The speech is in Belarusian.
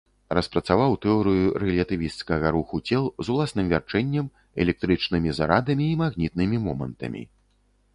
Распрацаваў тэорыю рэлятывісцкага руху цел з уласным вярчэннем, электрычнымі зарадамі і магнітнымі момантамі.